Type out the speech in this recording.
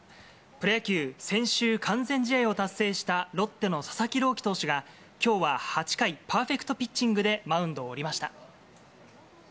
プロ野球、先週、完全試合を達成した、ロッテの佐々木朗希投手が、きょうは８回パーフェクトピッチングでマウンドを降りました。